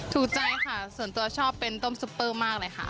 ถูกใจค่ะส่วนตัวชอบเป็นต้มซุปเปอร์มากเลยค่ะ